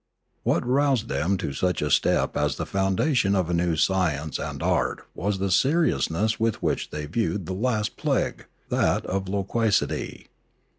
An Epidemic 399 What roused them to such a step as the foundation of a new science and art was the seriousness with which they viewed the last plague, that of loquacity.